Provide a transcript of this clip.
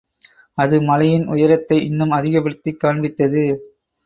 அது மலையின் உயரத்தை இன்னும் அதிகப்படுத்திக் காண்பித்தது.